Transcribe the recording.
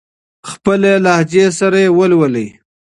خپل لهجې سره ولولئ.